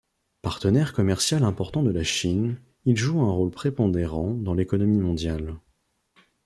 Partenaire commercial important de la Chine, il joue un rôle prépondérant dans l'économie mondiale.